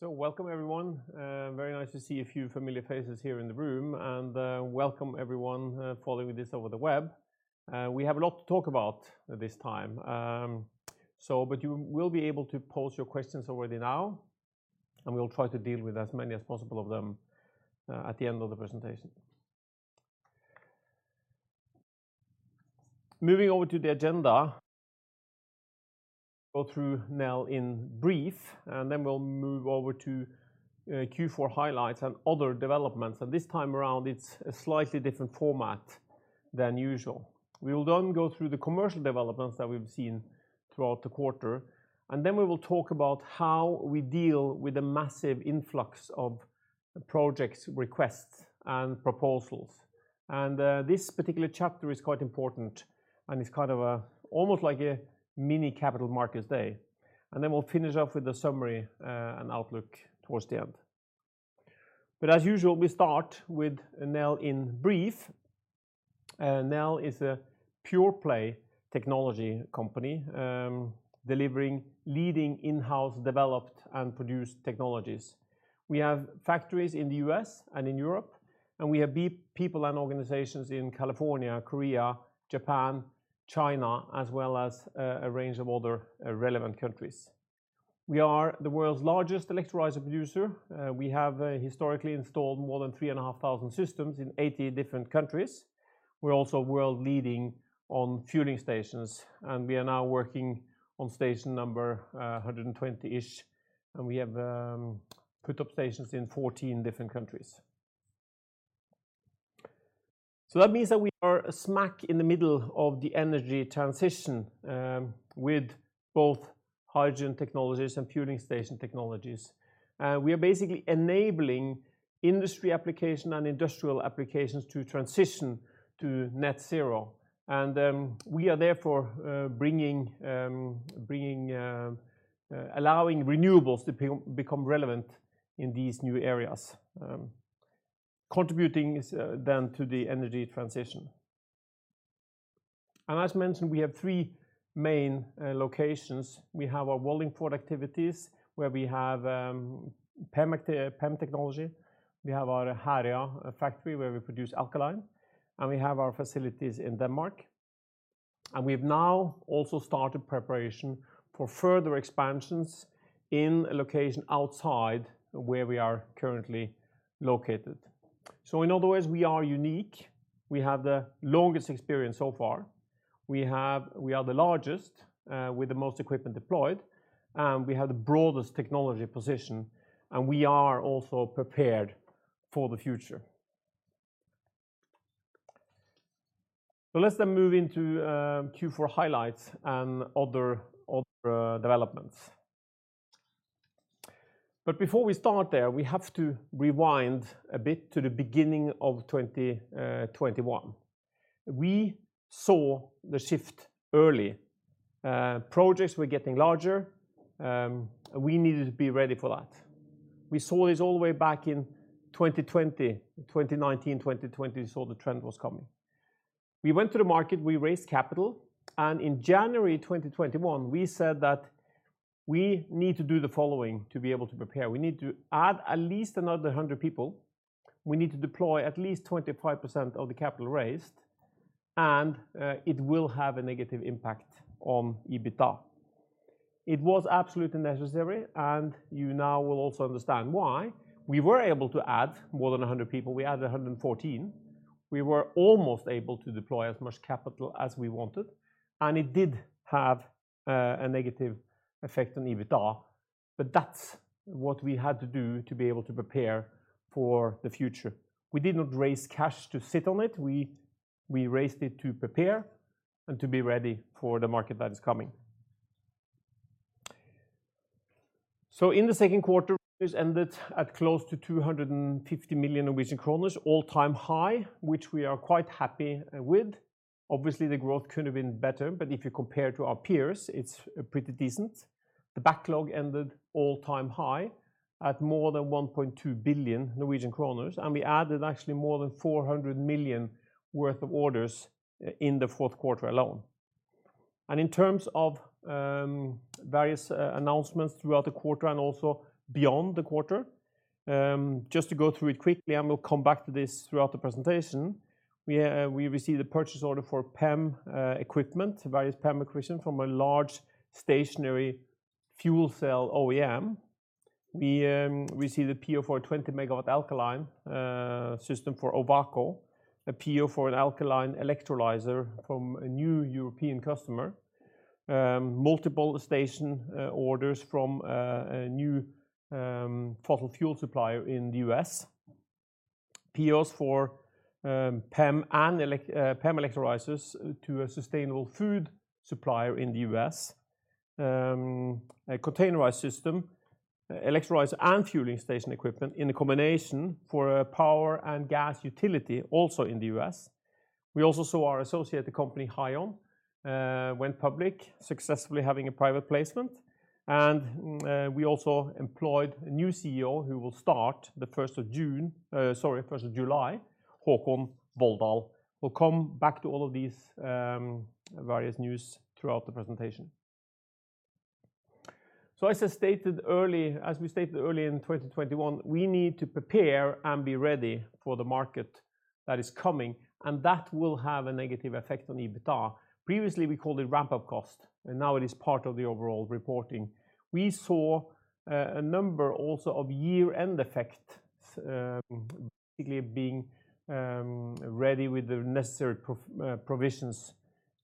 Welcome everyone. Very nice to see a few familiar faces here in the room, and welcome everyone following this over the web. We have a lot to talk about this time. You will be able to pose your questions already now, and we'll try to deal with as many as possible of them at the end of the presentation. Moving over to the agenda, go through Nel in brief, and then we'll move over to Q4 highlights and other developments. This time around, it's a slightly different format than usual. We will then go through the commercial developments that we've seen throughout the quarter, and then we will talk about how we deal with the massive influx of projects, requests, and proposals. This particular chapter is quite important, and it's kind of almost like a mini capital markets day. Then we'll finish off with a summary, and outlook towards the end. As usual, we start with Nel in brief. Nel is a pure-play technology company, delivering leading in-house developed and produced technologies. We have factories in the U.S. and in Europe, and we have people and organizations in California, Korea, Japan, China, as well as a range of other relevant countries. We are the world's largest electrolyzer producer. We have historically installed more than 3,500 systems in 80 different countries. We're also world-leading on fueling stations, and we are now working on station number 120-ish, and we have put up stations in 14 different countries. That means that we are smack in the middle of the energy transition, with both hydrogen technologies and fueling station technologies. We are basically enabling industry application and industrial applications to transition to net zero. We are therefore allowing renewables to become relevant in these new areas, contributing then to the energy transition. As mentioned, we have three main locations. We have our Wallingford activities, where we have PEM technology. We have our Herøya factory, where we produce Alkaline, and we have our facilities in Denmark. We have now also started preparation for further expansions in a location outside where we are currently located. In other words, we are unique. We have the longest experience so far. We are the largest with the most equipment deployed, and we have the broadest technology position, and we are also prepared for the future. Let's then move into Q4 highlights and other developments. Before we start there, we have to rewind a bit to the beginning of 2021. We saw the shift early. Projects were getting larger. We needed to be ready for that. We saw this all the way back in 2020. 2019, 2020, we saw the trend was coming. We went to the market, we raised capital, and in January 2021, we said that we need to do the following to be able to prepare. We need to add at least another 100 people. We need to deploy at least 25% of the capital raised, and it will have a negative impact on EBITDA. It was absolutely necessary, and you now will also understand why. We were able to add more than 100 people. We added 114. We were almost able to deploy as much capital as we wanted, and it did have a negative effect on EBITDA, but that's what we had to do to be able to prepare for the future. We did not raise cash to sit on it. We raised it to prepare and to be ready for the market that is coming. In the second quarter, this ended at close to 250 million Norwegian kroner, all-time high, which we are quite happy with. Obviously, the growth could have been better, but if you compare to our peers, it's pretty decent. The backlog ended at an all-time high at more than 1.2 billion Norwegian kroner, and we added actually more than 400 million worth of orders in the fourth quarter alone. In terms of various announcements throughout the quarter and also beyond the quarter, just to go through it quickly, and we'll come back to this throughout the presentation. We received a purchase order for PEM equipment, various PEM equipment from a large stationary fuel cell OEM. We received a PO for a 20 MW alkaline system for Ovako, a PO for an alkaline electrolyzer from a new European customer, multiple station orders from a new fossil fuel supplier in the U.S., POs for PEM electrolyzers to a sustainable food supplier in the U.S., a containerized system, electrolyzer and fueling station equipment in a combination for a power and gas utility also in the U.S. We also saw our associated company, Hyon, went public, successfully having a private placement. We also employed a new CEO who will start the first of June, sorry, first of July, Håkon Volldal. We'll come back to all of these, various news throughout the presentation. As I stated earlier, as we stated earlier in 2021, we need to prepare and be ready for the market that is coming, and that will have a negative effect on EBITDA. Previously, we called it ramp-up cost, and now it is part of the overall reporting. We saw a number also of year-end effects, basically being ready with the necessary provisions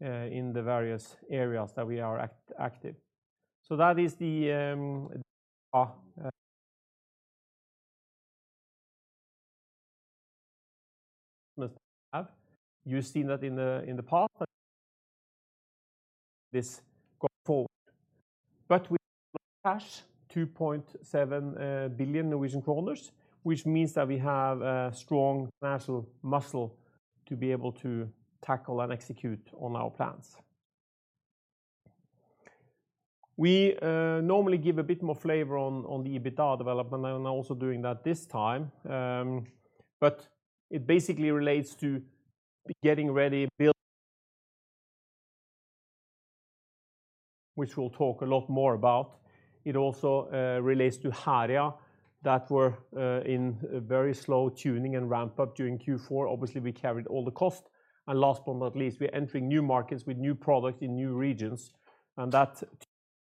in the various areas that we are active. That is the cash 2.7 billion Norwegian kroner, which means that we have a strong financial muscle to be able to tackle and execute on our plans. We normally give a bit more flavor on the EBITDA development and are also doing that this time. It basically relates to getting ready which we'll talk a lot more about. It also relates to Herøya that we were in very slow tuning and ramp-up during Q4. Obviously, we carried all the cost. Last but not least, we're entering new markets with new product in new regions, and that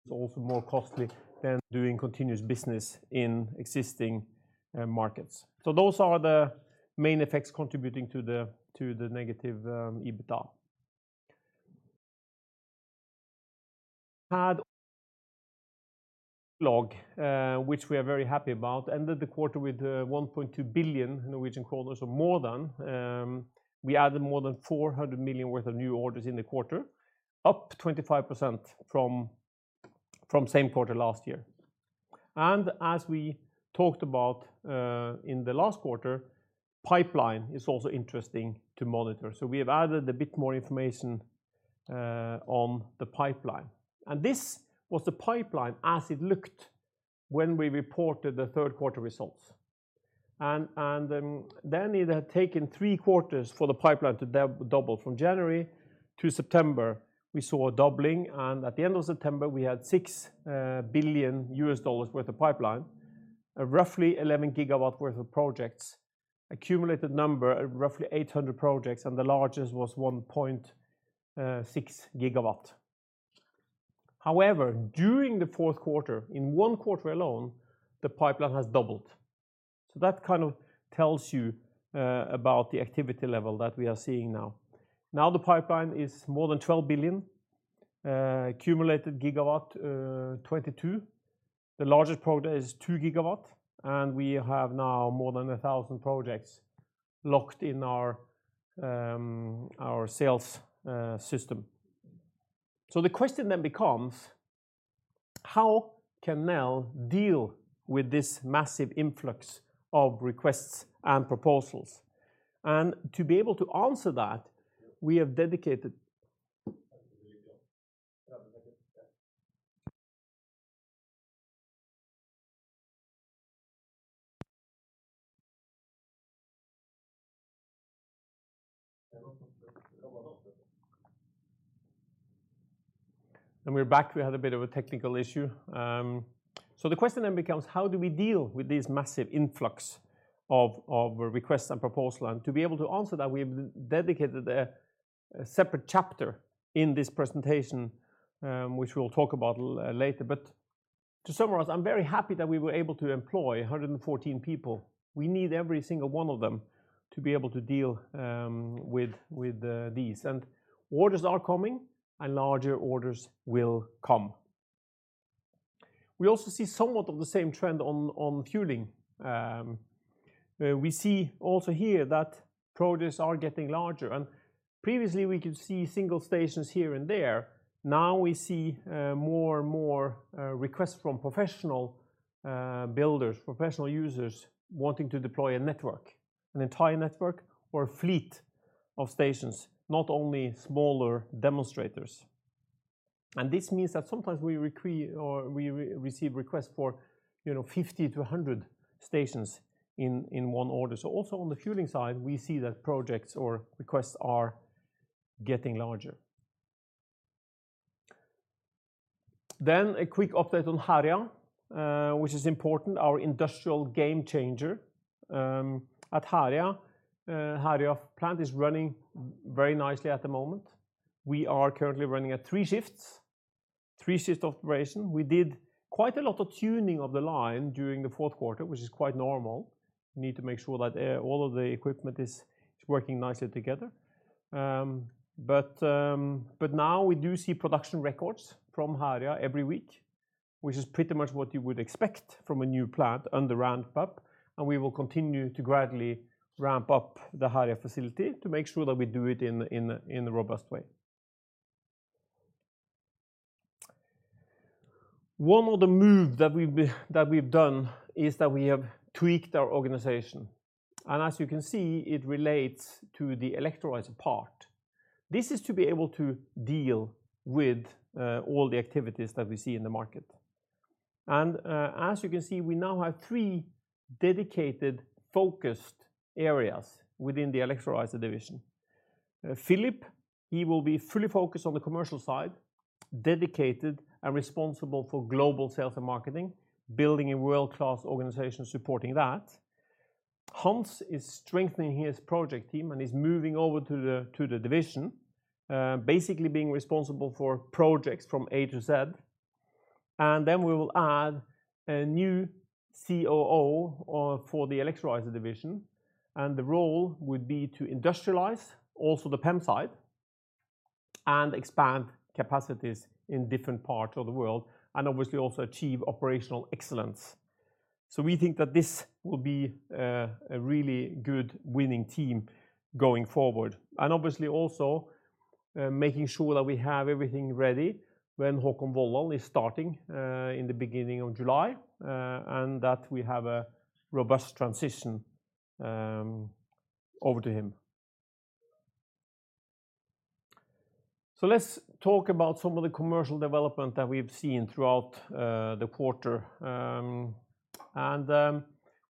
is also more costly than doing continuous business in existing markets. Those are the main effects contributing to the negative EBITDA. log, which we are very happy about, ended the quarter with 1.2 billion Norwegian kroner or more. We added more than 400 million worth of new orders in the quarter, up 25% from same quarter last year. As we talked about in the last quarter, pipeline is also interesting to monitor. We have added a bit more information on the pipeline. This was the pipeline as it looked when we reported the third quarter results. Then it had taken three quarters for the pipeline to double from January to September. We saw a doubling, and at the end of September, we had $6 billion worth of pipeline, roughly 11 GW worth of projects, accumulated number at roughly 800 projects, and the largest was 1.6 GW. However, during the fourth quarter, in one quarter alone, the pipeline has doubled. That kind of tells you about the activity level that we are seeing now. Now the pipeline is more than $12 billion, accumulated 22 GW. The largest project is 2 GW, and we have now more than 1,000 projects locked in our sales system. So the question then becomes, how can now deal with this massive influx of request and proposals? To be able to answer that, we've dedicated and we back had a bit of technical issue. So the question then becomes, how do we deal with this massive influx of requests and proposals? To be able to answer that, we've dedicated a separate chapter in this presentation, which we'll talk about later. To summarize, I'm very happy that we were able to employ 114 people. We need every single one of them to be able to deal with these. Orders are coming and larger orders will come. We also see somewhat of the same trend on fueling. We see also here that projects are getting larger. Previously we could see single stations here and there. Now we see more and more requests from professional builders, professional users wanting to deploy a network, an entire network or a fleet of stations, not only smaller demonstrators. This means that sometimes we receive requests for, you know, 50-100 stations in one order. Also on the fueling side, we see that projects or requests are getting larger. A quick update on Herøya, which is important, our industrial game changer. At Herøya plant is running very nicely at the moment. We are currently running at three shifts operation. We did quite a lot of tuning of the line during the fourth quarter, which is quite normal. We need to make sure that all of the equipment is working nicely together. Now we do see production records from Herøya every week, which is pretty much what you would expect from a new plant under ramp-up, and we will continue to gradually ramp up the Herøya facility to make sure that we do it in a robust way. One of the move that we've done is that we have tweaked our organization. As you can see, it relates to the electrolyzer part. This is to be able to deal with all the activities that we see in the market. As you can see, we now have three dedicated focused areas within the electrolyzer division. Philip, he will be fully focused on the commercial side, dedicated and responsible for global sales and marketing, building a world-class organization supporting that. Hans is strengthening his project team and is moving over to the division, basically being responsible for projects from A to Z. Then we will add a new COO for the electrolyzer division, and the role would be to industrialize also the PEM side and expand capacities in different parts of the world, and obviously also achieve operational excellence. We think that this will be a really good winning team going forward, and obviously also making sure that we have everything ready when Håkon Volldal is starting in the beginning of July and that we have a robust transition over to him. Let's talk about some of the commercial development that we've seen throughout the quarter.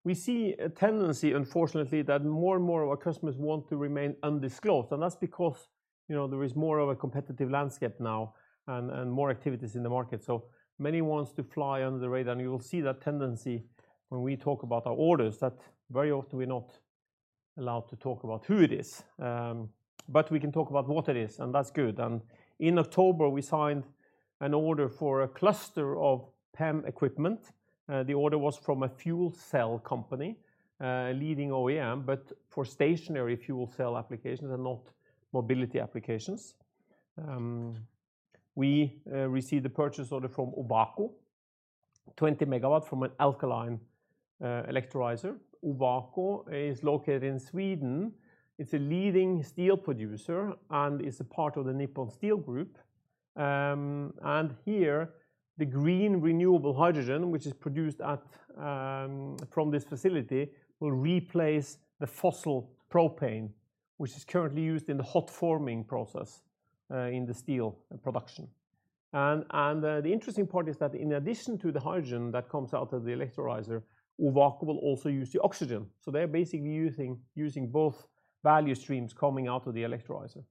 We see a tendency unfortunately that more and more of our customers want to remain undisclosed. That's because, you know, there is more of a competitive landscape now and more activities in the market. Many wants to fly under the radar, and you will see that tendency when we talk about our orders that very often we are not allowed to talk about who it is, we can talk about what it is, and that's good. In October we signed an order for a cluster of PEM equipment. The order was from a fuel cell company, leading OEM, but for stationary fuel cell applications and not mobility applications. We received a purchase order from Ovako, 20 MW alkaline electrolyzer. Ovako is located in Sweden. It's a leading steel producer and is a part of the Nippon Steel Corporation. Here the green renewable hydrogen, which is produced at from this facility, will replace the fossil propane, which is currently used in the hot forming process in the steel production. The interesting part is that in addition to the hydrogen that comes out of the electrolyzer, Ovako will also use the oxygen. They're basically using both value streams coming out of the electrolyzer.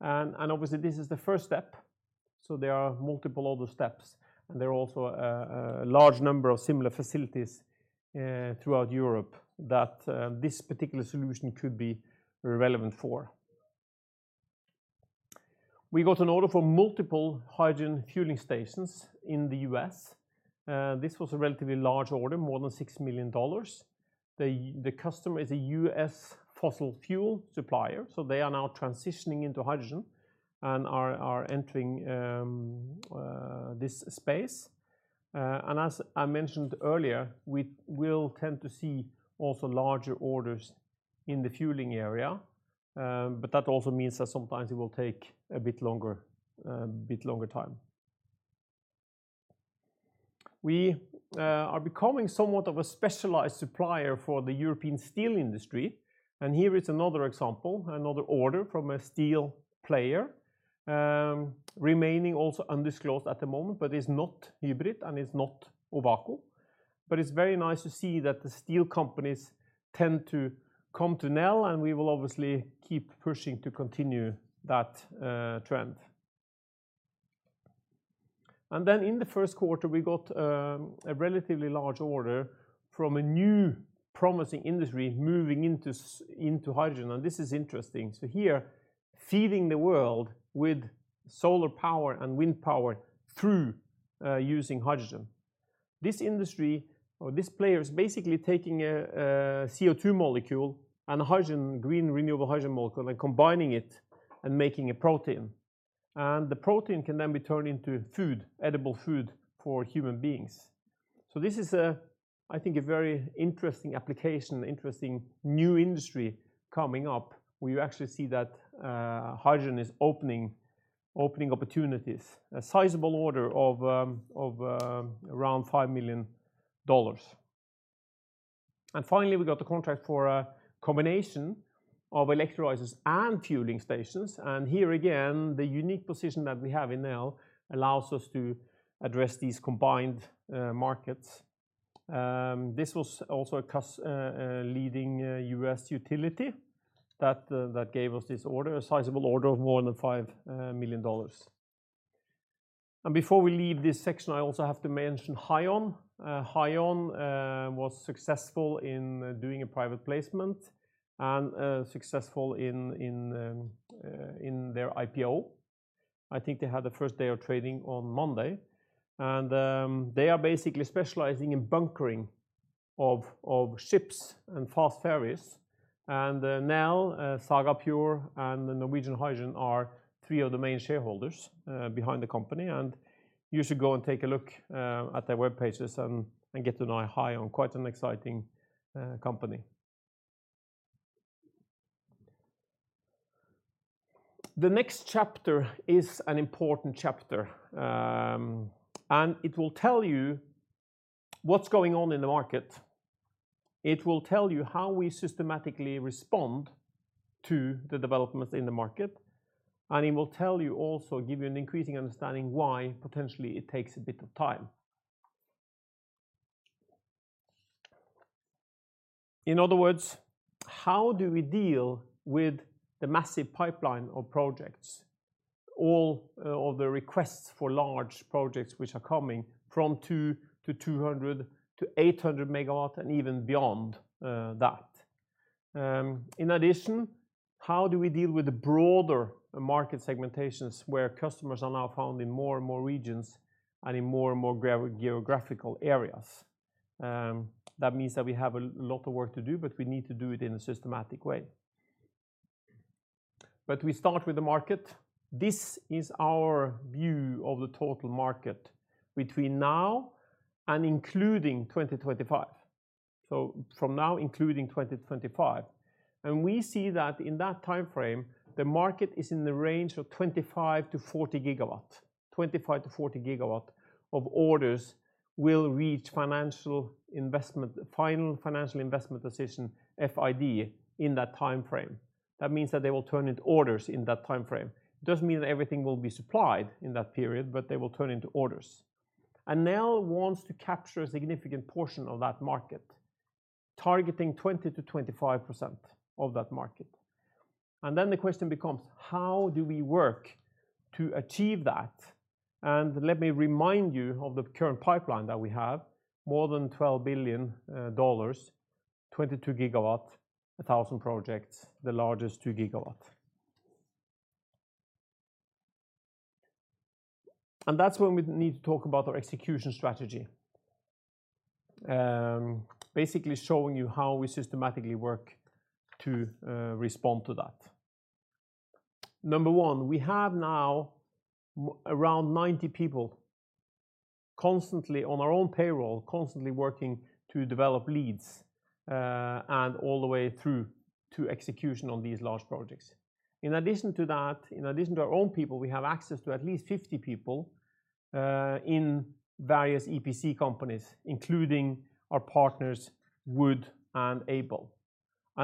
Obviously this is the first step, so there are multiple other steps, and there are also a large number of similar facilities throughout Europe that this particular solution could be relevant for. We got an order for multiple hydrogen fueling stations in the U.S. This was a relatively large order, more than $6 million. The customer is a U.S. fossil fuel supplier, so they are now transitioning into hydrogen and are entering this space. As I mentioned earlier, we will tend to see also larger orders in the fueling area. That also means that sometimes it will take a bit longer time. We are becoming somewhat of a specialized supplier for the European steel industry, and here is another example, another order from a steel player, remaining also undisclosed at the moment, but is not HYBRIT, and is not Ovako. It's very nice to see that the steel companies tend to come to Nel, and we will obviously keep pushing to continue that trend. Then in the first quarter we got a relatively large order from a new promising industry moving into hydrogen, and this is interesting. Here, feeding the world with solar power and wind power through using hydrogen. This industry or this player is basically taking a CO2 molecule and hydrogen, green renewable hydrogen molecule, and combining it and making a protein. The protein can then be turned into food, edible food for human beings. This is, I think, a very interesting application, interesting new industry coming up where you actually see that hydrogen is opening opportunities, a sizable order of around $5 million. Finally, we got the contract for a combination of electrolyzers and fueling stations. Here again, the unique position that we have in Nel allows us to address these combined markets. This was also a leading U.S. utility that gave us this order, a sizable order of more than $5 million. Before we leave this section, I also have to mention Hyon. Hyon was successful in doing a private placement and successful in their IPO. I think they had the first day of trading on Monday, and they are basically specializing in bunkering of ships and fast ferries. Nel, Saga Pure and the Norwegian Hydrogen are three of the main shareholders behind the company. You should go and take a look at their web pages and get to know Hyon. Quite an exciting company. The next chapter is an important chapter, and it will tell you what's going on in the market. It will tell you how we systematically respond to the developments in the market, and it will tell you also, give you an increasing understanding why potentially it takes a bit of time. In other words, how do we deal with the massive pipeline of projects, all the requests for large projects which are coming from 2-200-800 MW and even beyond, that. In addition, how do we deal with the broader market segmentations where customers are now found in more and more regions and in more and more geographical areas? That means that we have a lot of work to do, but we need to do it in a systematic way. We start with the market. This is our view of the total market between now and including 2025. From now including 2025. We see that in that timeframe, the market is in the range of 25-40 GW. 25-40 GW of orders will reach final investment decision, FID, in that timeframe. That means that they will turn into orders in that timeframe. It doesn't mean that everything will be supplied in that period, but they will turn into orders. Nel wants to capture a significant portion of that market, targeting 20%-25% of that market. Then the question becomes how do we work to achieve that? Let me remind you of the current pipeline that we have, more than $12 billion, 22 GW, 1,000 projects, the largest 2 GW. That's when we need to talk about our execution strategy. Basically showing you how we systematically work to respond to that. Number one, we have now around 90 people constantly on our own payroll, constantly working to develop leads, and all the way through to execution on these large projects. In addition to that, in addition to our own people, we have access to at least 50 people in various EPC companies, including our partners Wood and Aibel.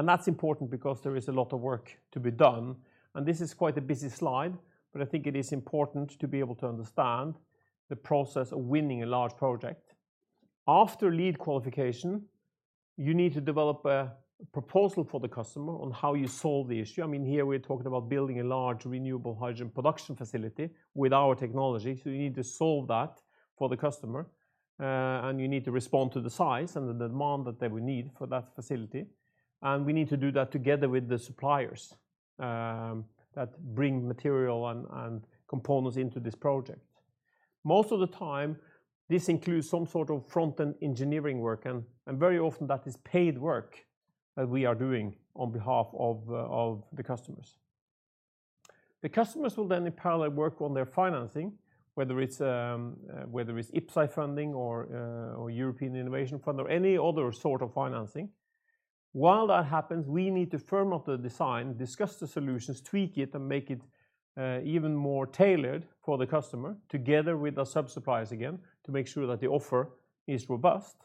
That's important because there is a lot of work to be done, and this is quite a busy slide, but I think it is important to be able to understand the process of winning a large project. After lead qualification, you need to develop a proposal for the customer on how you solve the issue. I mean, here we're talking about building a large renewable hydrogen production facility with our technology. You need to solve that for the customer, and you need to respond to the size and the demand that they will need for that facility. We need to do that together with the suppliers that bring material and components into this project. Most of the time, this includes some sort of front-end engineering work, and very often that is paid work that we are doing on behalf of the customers. The customers will then in parallel work on their financing, whether it's IPCEI funding or European Innovation Fund or any other sort of financing. While that happens, we need to firm up the design, discuss the solutions, tweak it, and make it even more tailored for the customer together with the sub-suppliers again, to make sure that the offer is robust.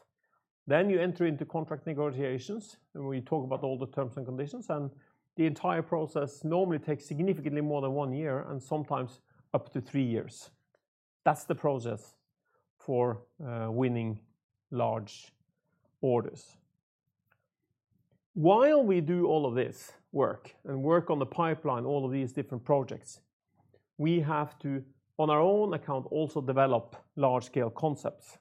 You enter into contract negotiations, and we talk about all the terms and conditions, and the entire process normally takes significantly more than one year and sometimes up to three years. That's the process for winning large orders. While we do all of this work and work on the pipeline, all of these different projects, we have to, on our own account, also develop large-scale concepts.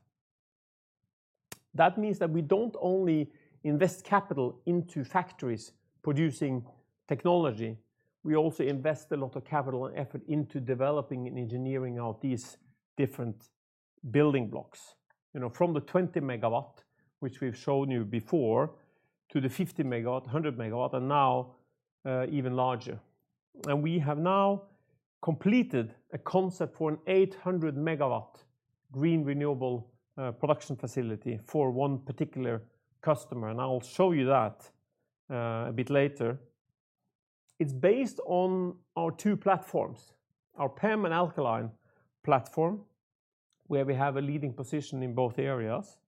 That means that we don't only invest capital into factories producing technology, we also invest a lot of capital and effort into developing and engineering out these different building blocks. You know, from the 20 MW, which we've shown you before, to the 50 MW, 100 MW, and now even larger. We have now completed a concept for an 800 MW greenfield renewable production facility for one particular customer, and I'll show you that a bit later. It's based on our two platforms, our PEM and Alkaline platform, where we have a leading position in both areas.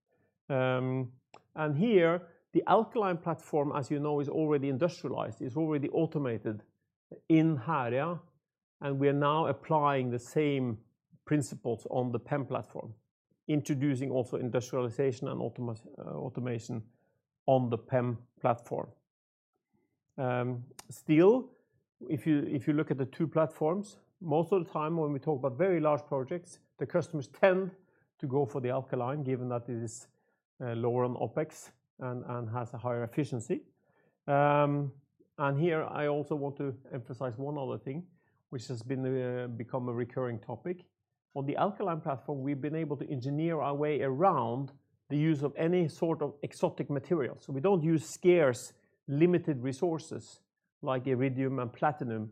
Here, the Alkaline platform, as you know, is already industrialized, is already automated in Herøya, and we are now applying the same principles on the PEM platform, introducing also industrialization and automation on the PEM platform. Still, if you look at the two platforms, most of the time when we talk about very large projects, the customers tend to go for the Alkaline, given that it is lower on OpEx and has a higher efficiency. Here I also want to emphasize one other thing which has become a recurring topic. On the Alkaline platform, we've been able to engineer our way around the use of any sort of exotic materials. We don't use scarce limited resources like iridium and platinum.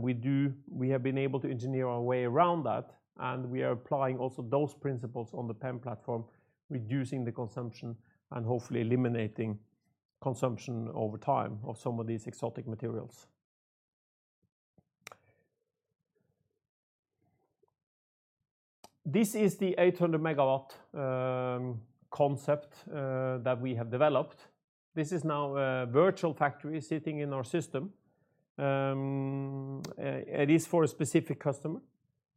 We have been able to engineer our way around that, and we are applying also those principles on the PEM platform, reducing the consumption and hopefully eliminating consumption over time of some of these exotic materials. This is the 800 MW concept that we have developed. This is now a virtual factory sitting in our system. It is for a specific customer.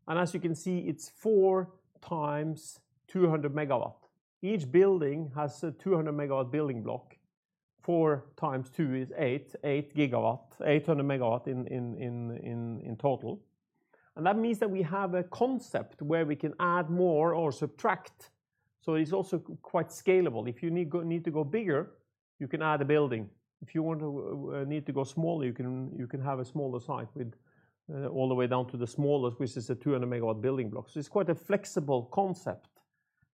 As you can see, it's four times 200 MW. Each building has a 200 MW building block. Four times two is eight, 8 GW, 800 MW in total. That means that we have a concept where we can add more or subtract. It's also quite scalable. If you need to go bigger, you can add a building. If you want to need to go smaller, you can have a smaller site with all the way down to the smallest, which is a 200 MW building block. It's quite a flexible concept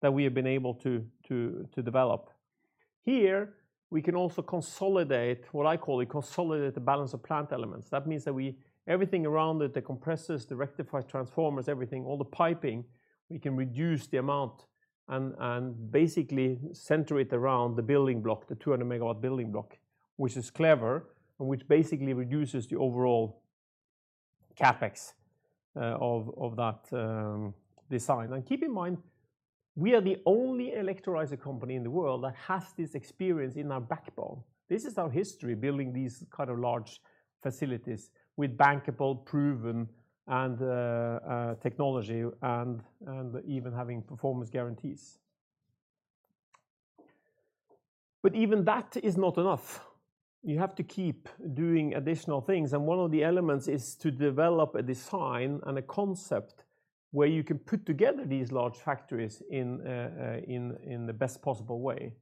that we have been able to develop. Here, we can also consolidate the balance of plant elements. That means that everything around it, the compressors, the rectifiers, transformers, everything, all the piping, we can reduce the amount and basically center it around the building block, the 200 MW building block, which is clever, and which basically reduces the overall CapEx of that design. Keep in mind, we are the only electrolyzer company in the world that has this experience in our backbone. This is our history, building these kind of large facilities with bankable, proven, and technology and even having performance guarantees. Even that is not enough. You have to keep doing additional things, and one of the elements is to develop a design and a concept where you can put together these large factories in the best possible way.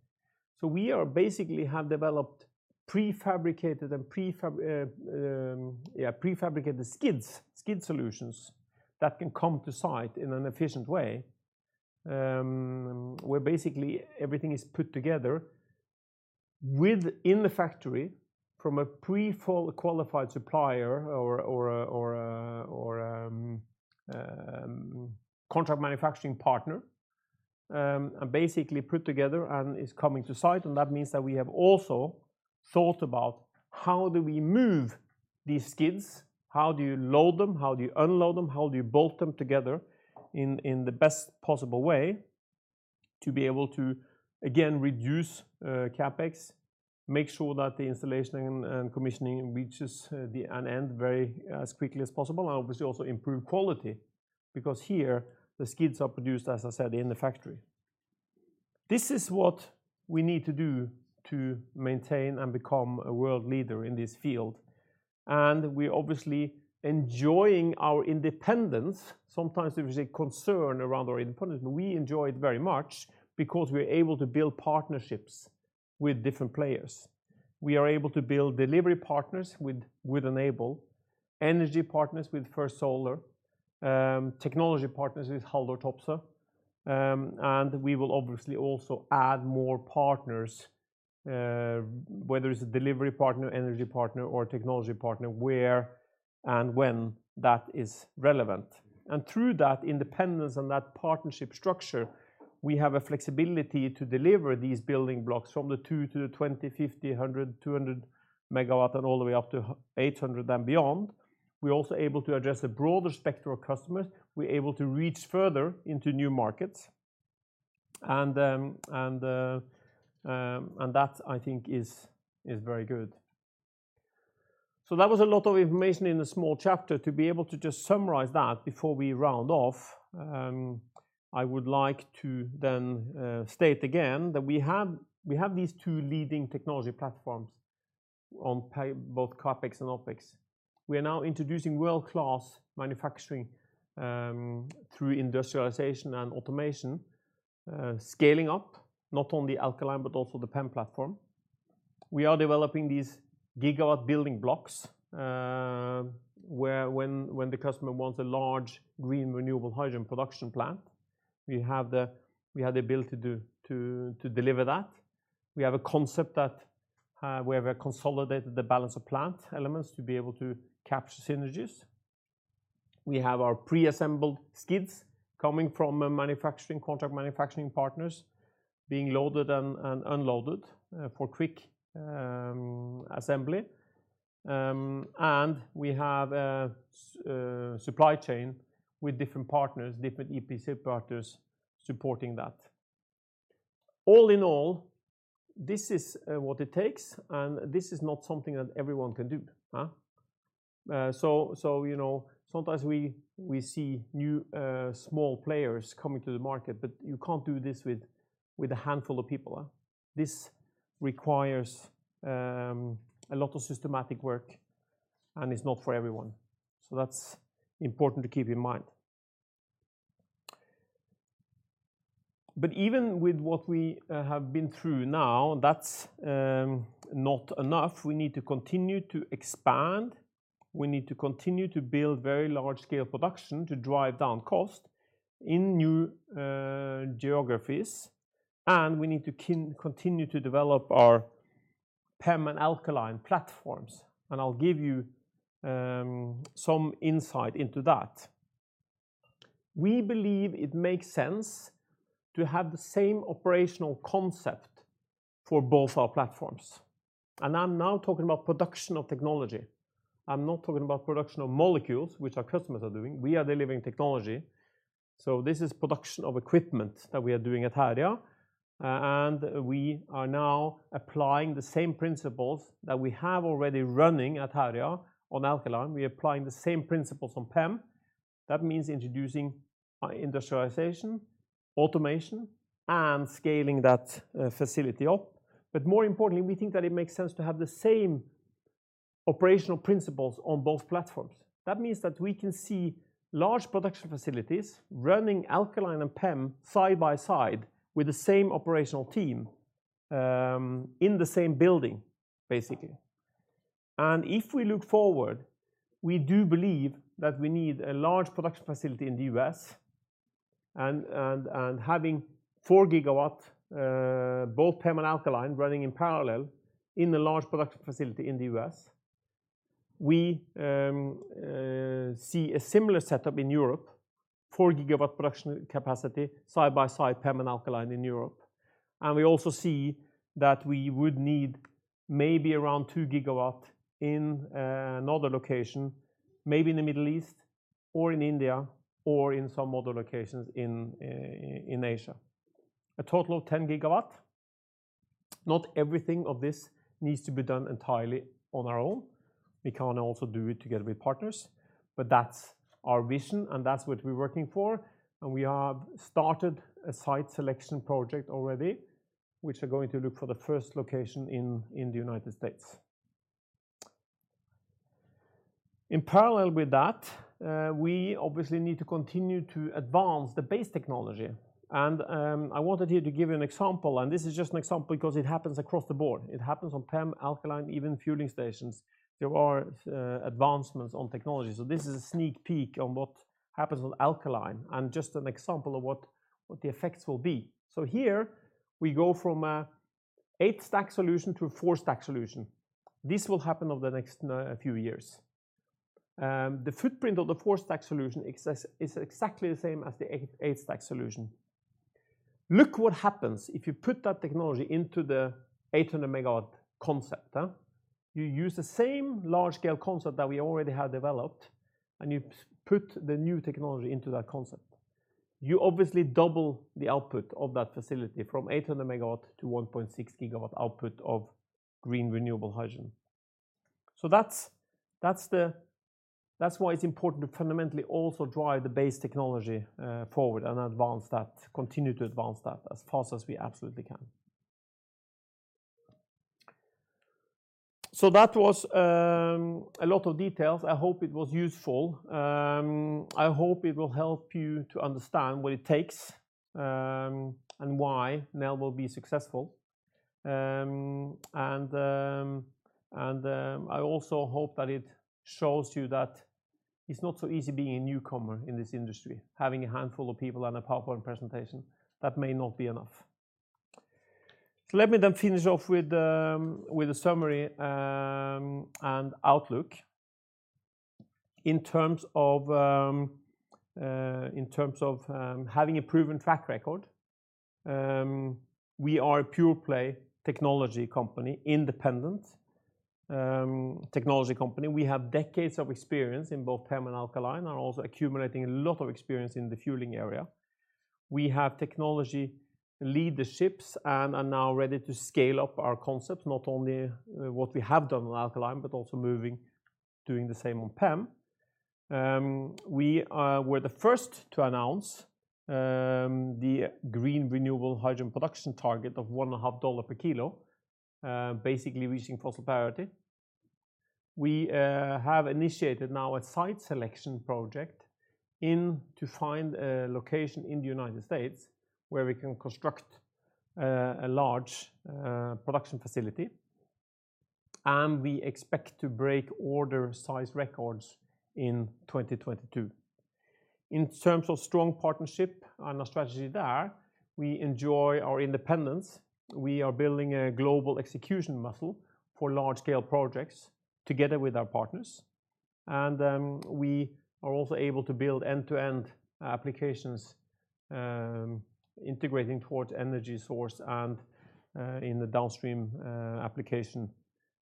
We have basically developed prefabricated skids, skid solutions that can come to site in an efficient way, where basically everything is put together within the factory from a pre-qualified supplier or contract manufacturing partner, basically put together and is coming to site. That means that we have also thought about how do we move these skids? How do you load them? How do you unload them? How do you bolt them together in the best possible way to be able to, again, reduce CapEx, make sure that the installation and commissioning reaches an end as quickly as possible, and obviously also improve quality, because here the skids are produced, as I said, in the factory. This is what we need to do to maintain and become a world leader in this field, and we're obviously enjoying our independence. Sometimes there is a concern around our independence, but we enjoy it very much because we're able to build partnerships with different players. We are able to build delivery partners with Enable, energy partners with First Solar, technology partners with Topsoe, and we will obviously also add more partners, whether it's a delivery partner, energy partner, or technology partner where and when that is relevant. Through that independence and that partnership structure, we have a flexibility to deliver these building blocks from the 2 to the 20, 50, 100, 200 MW and all the way up to 800 and beyond. We're also able to address a broader spectrum of customers. We're able to reach further into new markets and that I think is very good. That was a lot of information in a small chapter. To be able to just summarize that before we round off, I would like to then state again that we have these two leading technology platforms on both CapEx and OpEx. We are now introducing world-class manufacturing through industrialization and automation, scaling up not only Alkaline, but also the PEM platform. We are developing these gigawatt building blocks, where, when the customer wants a large green renewable hydrogen production plant, we have the ability to deliver that. We have a concept that, where we have consolidated the balance of plant elements to be able to capture synergies. We have our pre-assembled skids coming from contract manufacturing partners being loaded and unloaded for quick assembly. We have a supply chain with different partners, different EPC partners supporting that. All in all, this is what it takes, and this is not something that everyone can do, huh? You know, sometimes we see new small players coming to the market, but you can't do this with a handful of people, huh? This requires a lot of systematic work, and it's not for everyone. That's important to keep in mind. Even with what we have been through now, that's not enough. We need to continue to expand. We need to continue to build very large-scale production to drive down cost in new geographies, and we need to continue to develop our PEM and Alkaline platforms, and I'll give you some insight into that. We believe it makes sense to have the same operational concept for both our platforms, and I'm now talking about production of technology. I'm not talking about production of molecules, which our customers are doing. We are delivering technology. This is production of equipment that we are doing at Herøya, and we are now applying the same principles that we have already running at Herøya on Alkaline. We are applying the same principles on PEM. That means introducing industrialization, automation, and scaling that facility up. More importantly, we think that it makes sense to have the same operational principles on both platforms. That means that we can see large production facilities running Alkaline and PEM side by side with the same operational team in the same building, basically. If we look forward, we do believe that we need a large production facility in the U.S. and having 4 GW both PEM and Alkaline running in parallel in a large production facility in the U.S. We see a similar setup in Europe, 4 GW production capacity side by side, PEM and Alkaline in Europe. We also see that we would need maybe around 2 GW in another location, maybe in the Middle East or in India or in some other locations in in Asia. A total of 10 GW. Not everything of this needs to be done entirely on our own. We can also do it together with partners, but that's our vision, and that's what we're working for. We have started a site selection project already, which are going to look for the first location in in the United States. In parallel with that, we obviously need to continue to advance the base technology. I wanted here to give you an example, and this is just an example 'cause it happens across the board. It happens on PEM, alkaline, even fueling stations. There are advancements on technology. This is a sneak peek on what happens with alkaline and just an example of what the effects will be. Here we go from an eight-stack solution to a four-stack solution. This will happen over the next few years. The footprint of the four-stack solution exists, is exactly the same as the eight-stack solution. Look what happens if you put that technology into the 800 MW concept, huh? You use the same large scale concept that we already have developed, and you put the new technology into that concept. You obviously double the output of that facility from 800 MW to 1.6 GW output of green renewable hydrogen. That's why it's important to fundamentally also drive the base technology forward and advance that, continue to advance that as fast as we absolutely can. That was a lot of details. I hope it was useful. I hope it will help you to understand what it takes, and why Nel will be successful. And I also hope that it shows you that it's not so easy being a newcomer in this industry, having a handful of people and a PowerPoint presentation. That may not be enough. Let me then finish off with a summary and outlook. In terms of having a proven track record, we are a pure play technology company, independent technology company. We have decades of experience in both PEM and alkaline, and also accumulating a lot of experience in the fueling area. We have technology leaderships and are now ready to scale up our concepts, not only what we have done with Alkaline, but also moving, doing the same on PEM. We were the first to announce the green renewable hydrogen production target of $1.5 per kilo, basically reaching fossil parity. We have initiated now a site selection project in order to find a location in the United States where we can construct a large production facility. We expect to break order size records in 2022. In terms of strong partnership and our strategy there, we enjoy our independence. We are building a global execution muscle for large scale projects together with our partners. We are also able to build end-to-end applications, integrating towards energy source and in the downstream application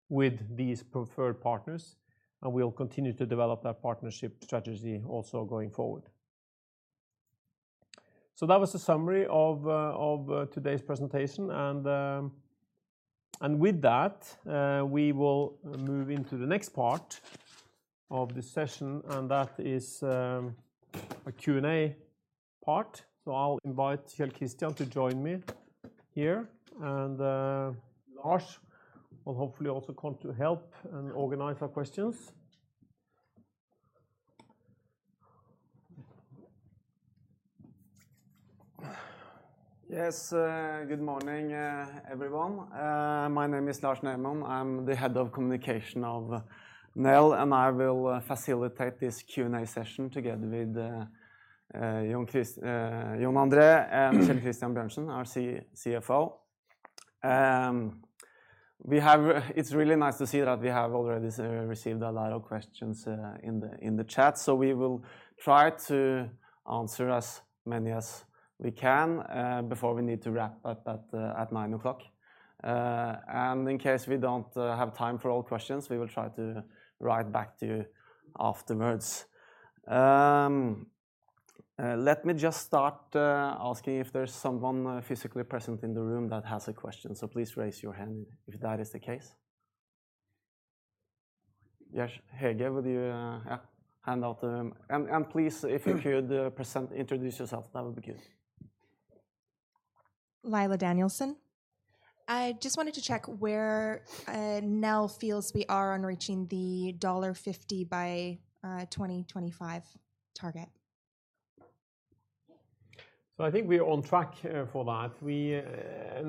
with these preferred partners. We'll continue to develop that partnership strategy also going forward. That was a summary of today's presentation. With that, we will move into the next part of the session, and that is a Q&A part. I'll invite Kjell Christian to join me here. Lars will hopefully also come to help and organize our questions. Yes. Good morning, everyone. My name is Lars Neumann. I'm the head of communication of Nel, and I will facilitate this Q&A session together with Jon André Løkke and Kjell Christian Bjørnsen, our CFO. It's really nice to see that we have already received a lot of questions in the chat. We will try to answer as many as we can before we need to wrap up at 9:00 A.M. In case we don't have time for all questions, we will try to write back to you afterwards. Let me just start asking if there's someone physically present in the room that has a question. Please raise your hand if that is the case. Yes. Hege, would you hand out the and please, if you could introduce yourself, that would be good. Lila Danielsen. I just wanted to check where Nel feels we are on reaching the $150 by 2025 target. I think we're on track for that.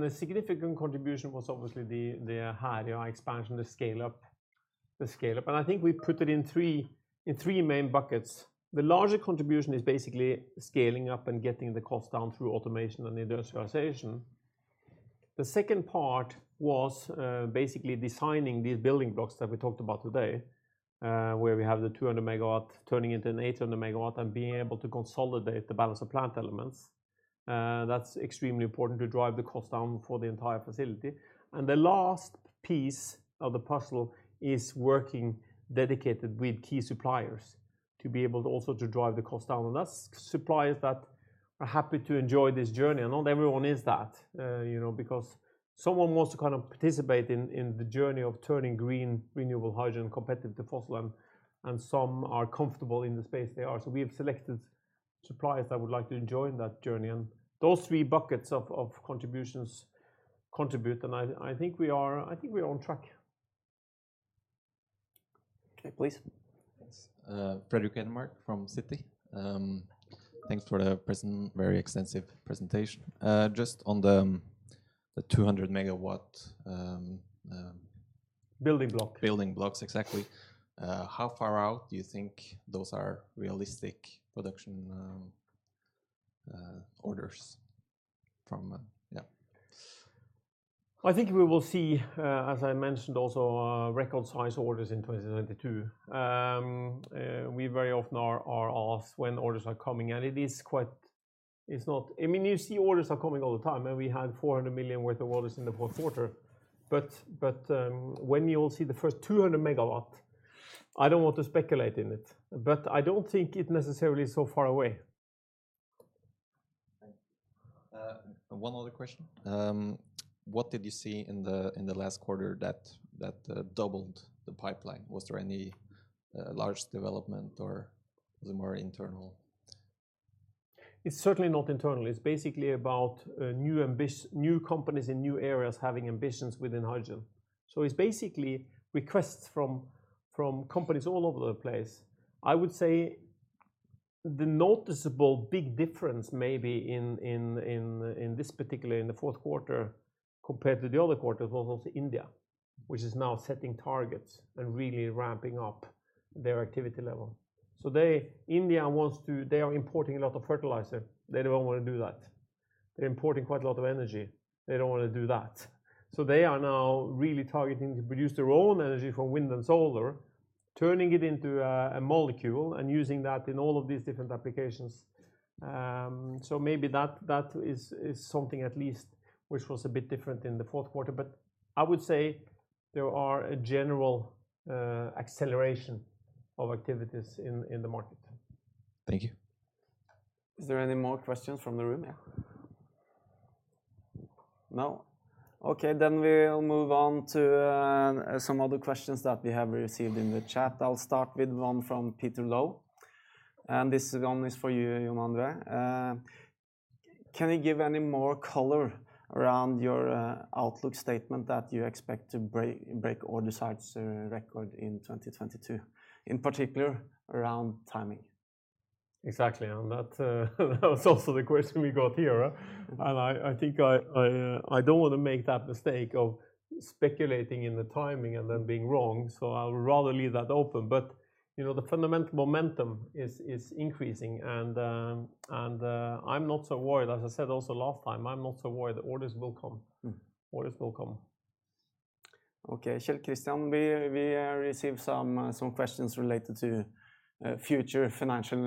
The significant contribution was obviously the Herøya expansion, the scale-up. I think we put it in three main buckets. The larger contribution is basically scaling up and getting the cost down through automation and industrialization. The second part was basically designing these building blocks that we talked about today, where we have the 200 MW turning into an 800 MW and being able to consolidate the balance of plant elements. That's extremely important to drive the cost down for the entire facility. The last piece of the puzzle is working dedicated with key suppliers to be able to also drive the cost down. That's suppliers that are happy to enjoy this journey. Not everyone is that, you know, because someone wants to kind of participate in the journey of turning green renewable hydrogen competitive to fossil and some are comfortable in the space they are. We have selected suppliers that would like to join that journey. Those three buckets of contributions contribute. I think we are on track. Okay, please. Thanks. Fredrik Hedemark from Citi. Thanks for the very extensive presentation. Just on the 200 MW, Building block Building blocks. Exactly. How far out do you think those are realistic production orders from? Yeah. I think we will see, as I mentioned also, record size orders in 2022. We very often are asked when orders are coming, and it is quite. It's not. I mean, you see orders are coming all the time, and we had 400 million worth of orders in the fourth quarter. When you'll see the first 200 MW, I don't want to speculate in it, but I don't think it necessarily is so far away. Thank you. One other question. What did you see in the last quarter that doubled the pipeline? Was there any large development or was it more internal? It's certainly not internal. It's basically about new companies in new areas having ambitions within hydrogen. It's basically requests from companies all over the place. I would say the noticeable big difference maybe in this particular in the fourth quarter compared to the other quarters was also India, which is now setting targets and really ramping up their activity level. India wants to. They are importing a lot of fertilizer. They don't want to do that. They're importing quite a lot of energy. They don't want to do that. They are now really targeting to produce their own energy from wind and solar, turning it into a molecule and using that in all of these different applications. That is something at least which was a bit different in the fourth quarter. I would say there are a general acceleration of activities in the market. Thank you. Is there any more questions from the room? Yeah. No? Okay, then we'll move on to some other questions that we have received in the chat. I'll start with one from Pierre Lau, and this one is for you, Jon André. Can you give any more color around your outlook statement that you expect to break order size record in 2022, in particular around timing? Exactly. That was also the question we got here, and I think I don't want to make that mistake of speculating in the timing and then being wrong. I would rather leave that open. You know, the fundamental momentum is increasing. I'm not so worried. As I said also last time, I'm not so worried. The orders will come. Orders will come. Okay. Kjell Christian, we received some questions related to future financial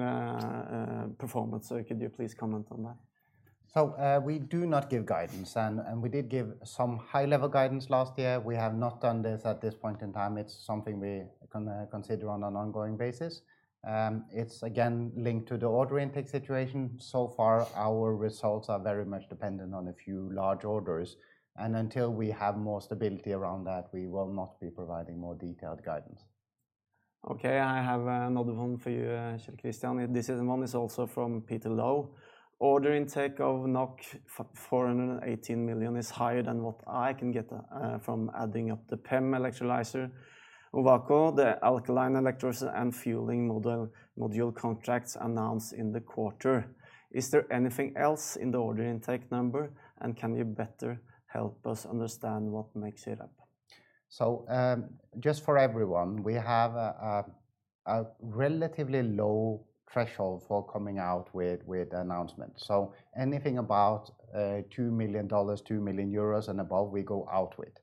performance. Could you please comment on that? We do not give guidance, and we did give some high-level guidance last year. We have not done this at this point in time. It's something we consider on an ongoing basis. It's again linked to the order intake situation. So far, our results are very much dependent on a few large orders, and until we have more stability around that, we will not be providing more detailed guidance. Okay. I have another one for you, Kjell Christian. This one is also from Pierre Lau. Order intake of 418 million is higher than what I can get from adding up the PEM electrolyzer, Ovako, the alkaline electrolysis and fueling module contracts announced in the quarter. Is there anything else in the order intake number, and can you better help us understand what makes it up? Just for everyone, we have a relatively low threshold for coming out with announcement. Anything about $2 million, 2 million euros and above we go out with.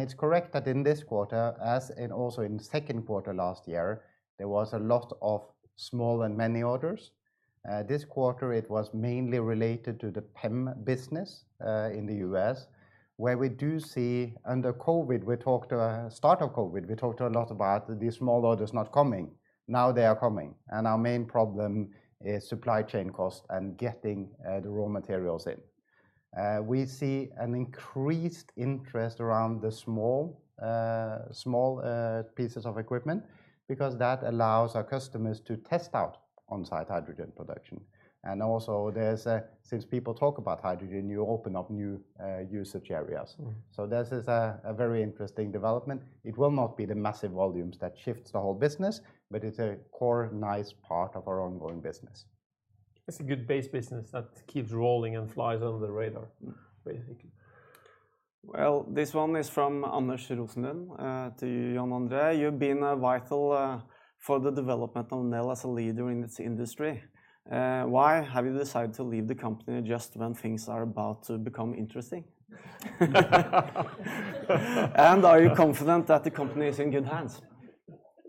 It's correct that in this quarter, as in also in second quarter last year, there was a lot of small and many orders. This quarter it was mainly related to the PEM business in the U.S. where we do see under COVID, we talked a lot at the start of COVID about the small orders not coming. Now they are coming, and our main problem is supply chain cost and getting the raw materials in. We see an increased interest around the small pieces of equipment because that allows our customers to test out on-site hydrogen production. Also, since people talk about hydrogen, you open up new usage areas. This is a very interesting development. It will not be the massive volumes that shifts the whole business, but it's a core, nice part of our ongoing business. It's a good base business that keeps rolling and flies under the radar. Well, this one is from Anders Rosenlund to you, Jon André. You've been vital for the development of Nel as a leader in this industry. Why have you decided to leave the company just when things are about to become interesting? And are you confident that the company is in good hands?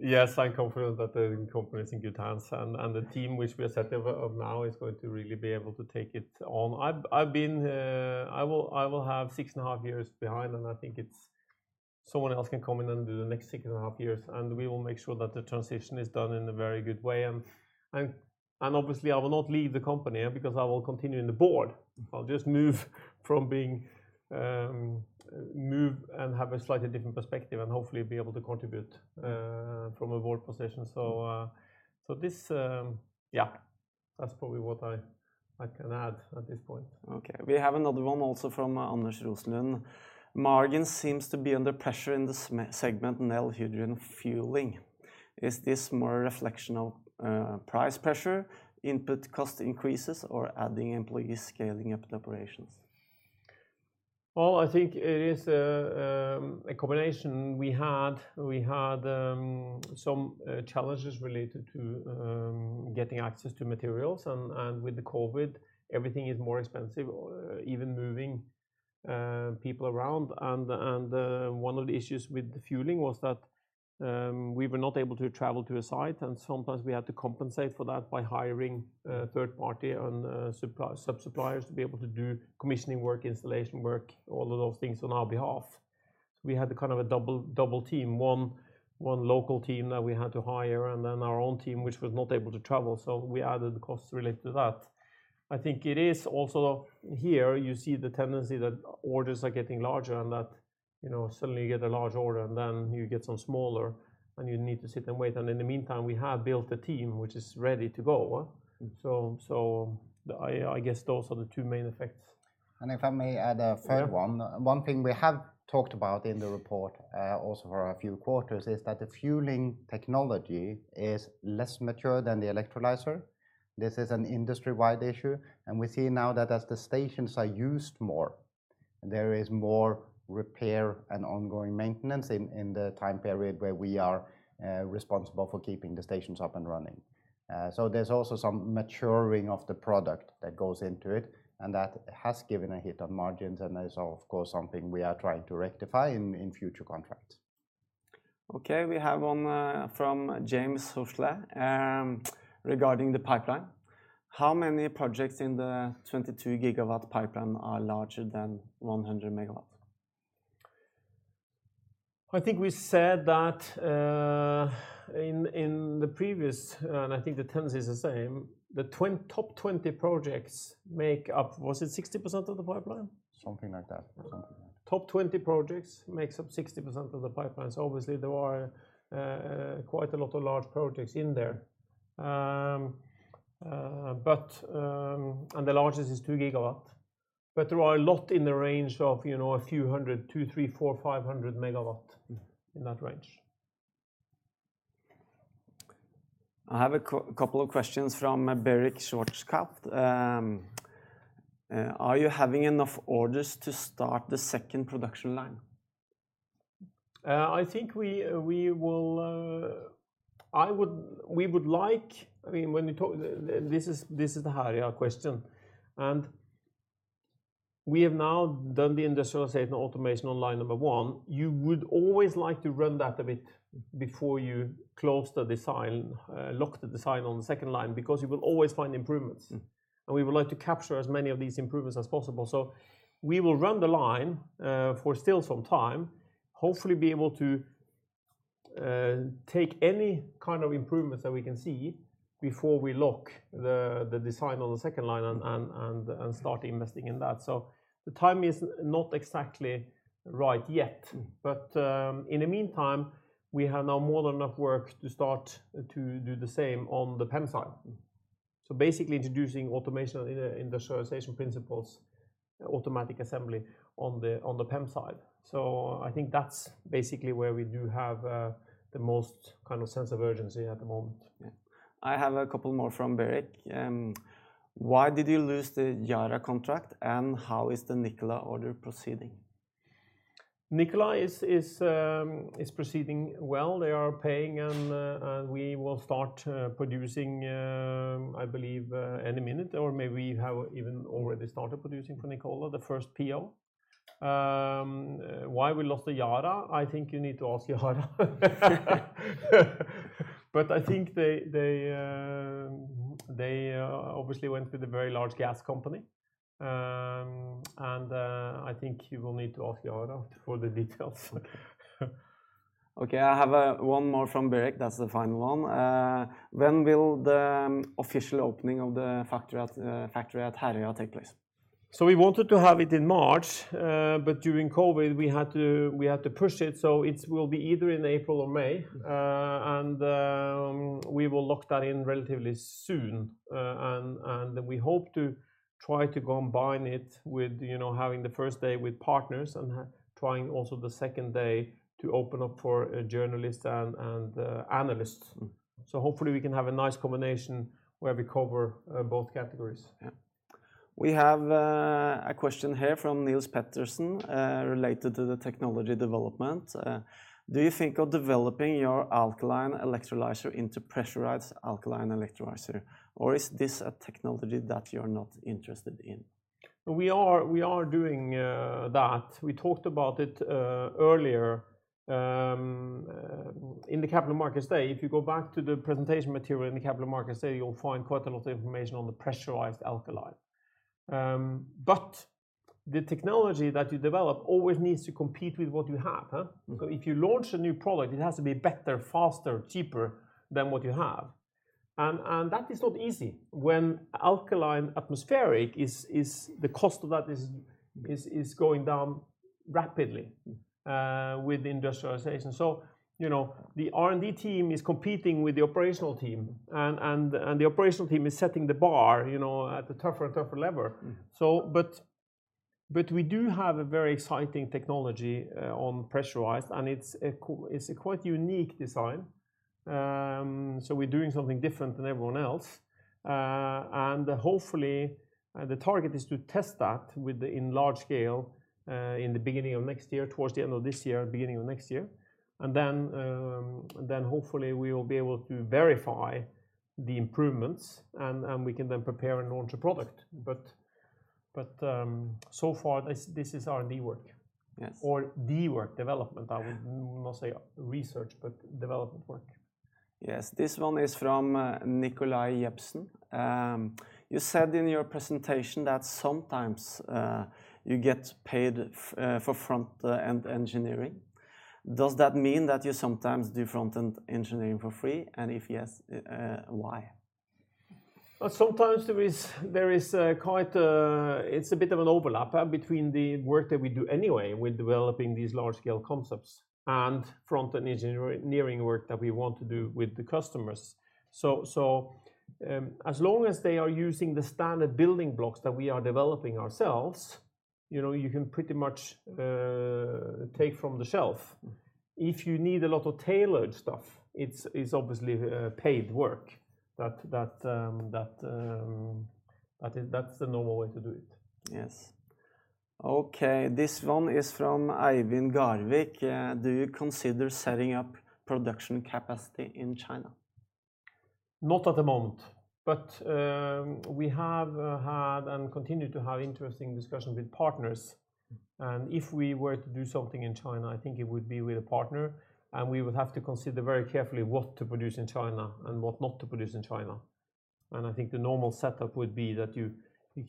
Yes, I'm confident that the company is in good hands and the team which we are setting up now is going to really be able to take it on. I will have six and a half years behind, and I think it's someone else can come in and do the next six and a half years, and we will make sure that the transition is done in a very good way. Obviously, I will not leave the company because I will continue in the Board. I'll just move from being and have a slightly different perspective and hopefully be able to contribute from a Board position. This, yeah, that's probably what I can add at this point. Okay. We have another one also from Anders Rosenlund. Margins seems to be under pressure in the SME segment Nel Hydrogen Fueling. Is this more a reflection of price pressure, input cost increases, or adding employees scaling up the operations? Well, I think it is a combination. We had some challenges related to getting access to materials and with the COVID, everything is more expensive, even moving people around. One of the issues with the fueling was that we were not able to travel to a site, and sometimes we had to compensate for that by hiring a third party and sub-suppliers to be able to do commissioning work, installation work, all of those things on our behalf. We had a kind of a double team, one local team that we had to hire, and then our own team which was not able to travel. We added the costs related to that. I think it is also here you see the tendency that orders are getting larger and that, you know, suddenly you get a large order and then you get some smaller and you need to sit and wait. In the meantime, we have built a team which is ready to go. I guess those are the two main effects. If I may add a third one. One thing we have talked about in the report, also for a few quarters, is that the fueling technology is less mature than the electrolyzer. This is an industry-wide issue, and we see now that as the stations are used more, there is more repair and ongoing maintenance in the time period where we are responsible for keeping the stations up and running. There's also some maturing of the product that goes into it and that has given a hit of margins and is of course something we are trying to rectify in future contracts. Okay, we have one from James Huftalen regarding the pipeline. How many projects in the 22 GW pipeline are larger than 100 MW? I think we said that in the previous, and I think the tendency is the same, the top 20 projects make up. Was it 60% of the pipeline? Something like that. Top 20 projects makes up 60% of the pipeline. Obviously, there are quite a lot of large projects in there. The largest is 2 GW, but there are a lot in the range of, you know, a few hundred, 200, 300, 400, 500 MW in that range. I have a couple of questions from Beric Schwartzkopf. Are you having enough orders to start the second production line? I think we will. We would like. I mean, when you talk, this is the Herøya question, and we have now done the industrialization automation on line number one. You would always like to run that a bit before you close the design, lock the design on the second line because you will always find improvements. We would like to capture as many of these improvements as possible. We will run the line for still some time, hopefully be able to take any kind of improvements that we can see before we lock the design on the second line and start investing in that. The time is not exactly right yet, but in the meantime, we have now more than enough work to start to do the same on the PEM side. Basically introducing automation in a industrialization principles, automatic assembly on the PEM side. I think that's basically where we do have the most kind of sense of urgency at the moment. Yeah. I have a couple more from Beric. Why did you lose the Yara contract, and how is the Nikola order proceeding? Nikola is proceeding well. They are paying and we will start producing, I believe, any minute or maybe have even already started producing for Nikola, the first PO. Why we lost the Yara, I think you need to ask Yara. I think they obviously went with a very large gas company. I think you will need to ask Yara for the details. Okay, I have one more from Beric, that's the final one. When will the official opening of the factory at Herøya take place? We wanted to have it in March, but during COVID we had to push it, so it will be either in April or May. We will lock that in relatively soon. We hope to try to combine it with, you know, having the first day with partners and trying also the second day to open up for journalists and analysts. Hopefully we can have a nice combination where we cover both categories. Yeah. We have a question here from Nils Petter Søn, related to the technology development. Do you think of developing your Alkaline electrolyzer into pressurized Alkaline electrolyzer, or is this a technology that you're not interested in? We are doing that. We talked about it earlier in the Capital Markets Day. If you go back to the presentation material in the Capital Markets Day, you'll find quite a lot of information on the pressurized alkaline. The technology that you develop always needs to compete with what you have. Okay. If you launch a new product, it has to be better, faster, cheaper than what you have. That is not easy when Alkaline atmospheric is going down rapidly with industrialization. You know, the R&D team is competing with the operational team and the operational team is setting the bar, you know, at a tougher and tougher level. We do have a very exciting technology on pressurized, and it's a quite unique design. We're doing something different than everyone else. Hopefully, the target is to test that in large scale in the beginning of next year, towards the end of this year, beginning of next year. Hopefully we will be able to verify the improvements and we can then prepare and launch a product. So far this is R&D work. Yes. R&D work, development work. Yeah. Not, say, research, but development work. Yes. This one is from Nikolai Jepsen. You said in your presentation that sometimes you get paid for front-end engineering. Does that mean that you sometimes do front-end engineering for free, and if yes, why? Well, sometimes there is quite a bit of an overlap, huh, between the work that we do anyway with developing these large-scale concepts and front-end engineering work that we want to do with the customers. As long as they are using the standard building blocks that we are developing ourselves, you know, you can pretty much take from the shelf. If you need a lot of tailored stuff, it's obviously paid work. That's the normal way to do it. Yes. Okay. This one is from Eivind Garvik. Do you consider setting up production capacity in China? Not at the moment, but we have had and continue to have interesting discussions with partners. If we were to do something in China, I think it would be with a partner, and we would have to consider very carefully what to produce in China and what not to produce in China. I think the normal setup would be that you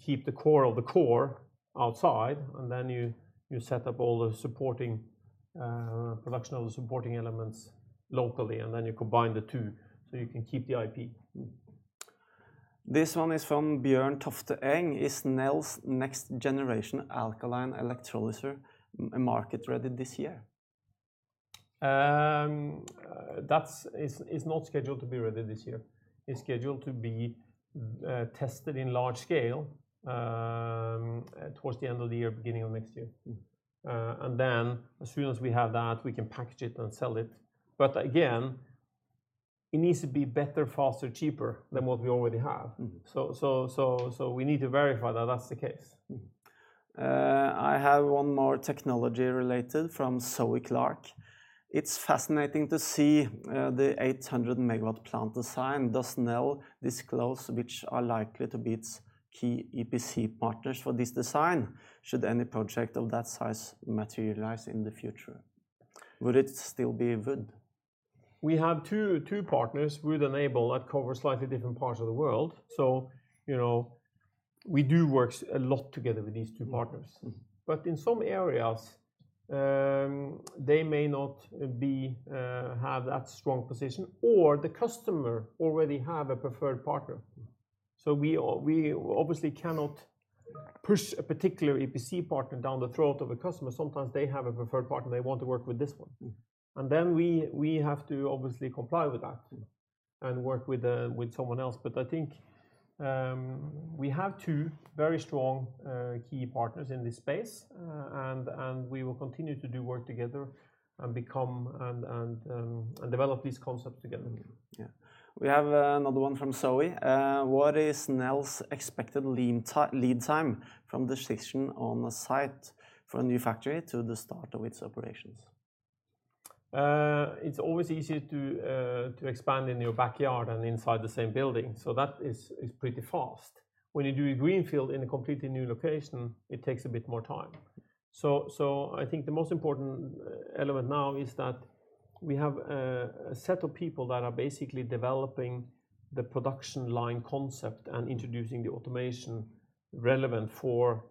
keep the core of the core outside, and then you set up all the supporting production of the supporting elements locally, and then you combine the two, so you can keep the IP. This one is from Bjørn Toftevaag. Is Nel's next generation alkaline electrolyzer market ready this year? That's not scheduled to be ready this year. It's scheduled to be tested in large scale towards the end of the year, beginning of next year. As soon as we have that, we can package it and sell it. Again, it needs to be better, faster, cheaper than what we already have. We need to verify that that's the case. I have one more technology related from Zoe Clarke. It's fascinating to see the 800 MW plant design. Does Nel disclose which are likely to be its key EPC partners for this design should any project of that size materialize in the future? Would it still be Wood? We have two partners, Wood and Aibel, that cover slightly different parts of the world. You know, we do work a lot together with these two partners. In some areas, they may not have that strong position, or the customer already have a preferred partner. We obviously cannot push a particular EPC partner down the throat of a customer. Sometimes they have a preferred partner, they want to work with this one. We have to obviously comply with that. Work with someone else. I think we have two very strong key partners in this space. We will continue to do work together and develop these concepts together. Yeah. We have another one from Zoe. What is Nel's expected lead time from decision on the site for a new factory to the start of its operations? It's always easier to expand in your backyard and inside the same building, so that is pretty fast. When you do a greenfield in a completely new location, it takes a bit more time. I think the most important element now is that we have a set of people that are basically developing the production line concept and introducing the automation relevant for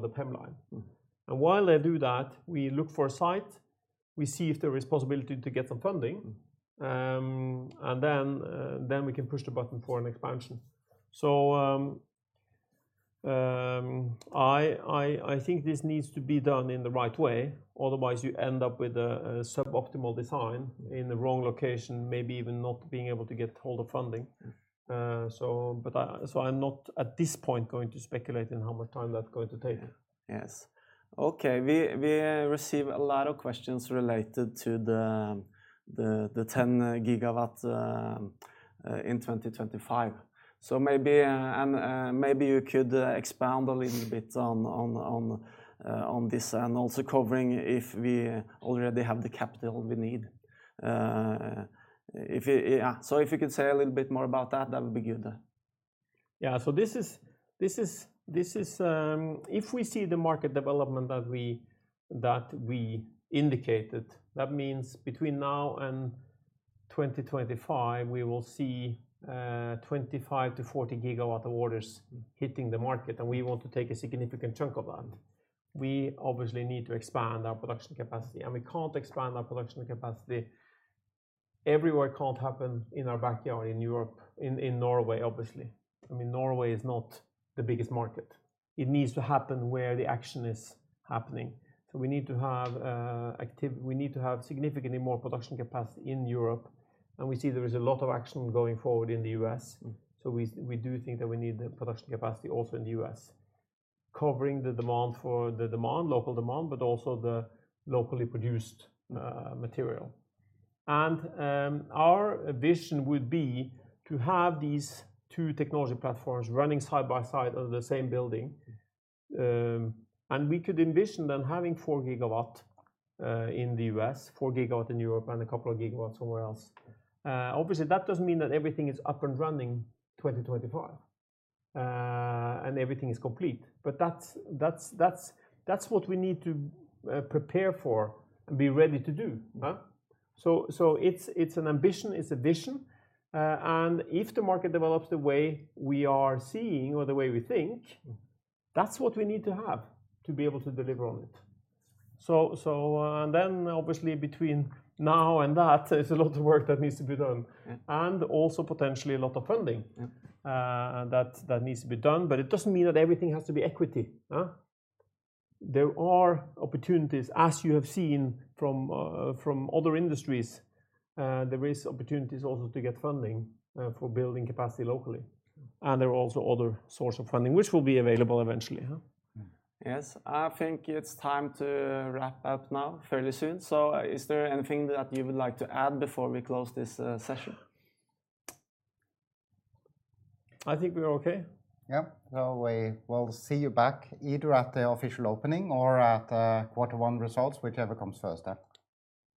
the PEM line. While they do that, we look for a site, we see if there is possibility to get some funding. We can push the button for an expansion. I think this needs to be done in the right way, otherwise you end up with a suboptimal design in the wrong location, maybe even not being able to get all the funding. I'm not at this point going to speculate in how much time that's going to take. We receive a lot of questions related to the 10 GW in 2025. Maybe you could expand a little bit on this and also covering if we already have the capital we need. If you could say a little bit more about that would be good. Yeah, this is if we see the market development that we indicated, that means between now and 2025, we will see 25-40 GW orders hitting the market, and we want to take a significant chunk of that. We obviously need to expand our production capacity, and we can't expand our production capacity everywhere. It can't happen in our backyard in Europe, in Norway, obviously. I mean, Norway is not the biggest market. It needs to happen where the action is happening. We need to have significantly more production capacity in Europe, and we see there is a lot of action going forward in the U.S. We do think that we need the production capacity also in the U.S., covering the local demand, but also the locally produced material. Our vision would be to have these two technology platforms running side by side out of the same building. We could envision then having 4 GW in the U.S., 4 GW in Europe, and a couple of GW somewhere else. Obviously that doesn't mean that everything is up and running 2025 and everything is complete. That's what we need to prepare for and be ready to do. It's an ambition. It's a vision. If the market develops the way we are seeing or the way we think that's what we need to have to be able to deliver on it. Obviously between now and that is a lot of work that needs to be done. Yeah. Also potentially a lot of funding. Yeah That needs to be done, but it doesn't mean that everything has to be equity, huh? There are opportunities, as you have seen from other industries. There is opportunities also to get funding for building capacity locally. There are also other sources of funding which will be available eventually. Yes. I think it's time to wrap up now fairly soon. Is there anything that you would like to add before we close this, session? I think we're okay. Yeah. Well, we will see you back either at the official opening or at quarter one results, whichever comes first,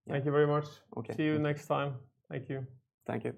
huh? Thank you very much. Okay. See you next time. Thank you. Thank you.